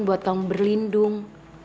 buat kamu berlindung